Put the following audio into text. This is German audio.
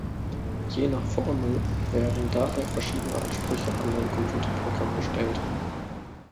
Je nach Formel werden dabei verschiedene Ansprüche an ein Computerprogramm gestellt.